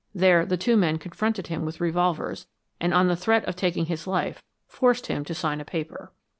There the two men confronted him with revolvers and on the threat of taking his life, forced him to sign a paper."